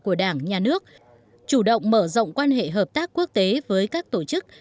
của đảng nhà nước chủ động mở rộng quan hệ hợp tác quốc tế với các tổ chức